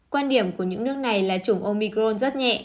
quan điểm của những nước này là chủng omicron rất nhẹ